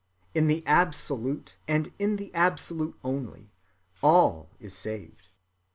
In the Absolute, and in the Absolute only, all is saved.